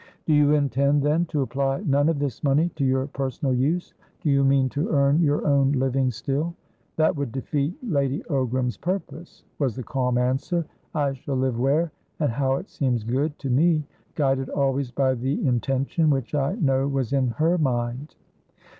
"Do you intend, then, to apply none of this money to your personal use? Do you mean to earn your own living still?" "That would defeat Lady Ogram's purpose," was the calm answer. "I shall live where and how it seems good to me, guided always by the intention which I know was in her mind."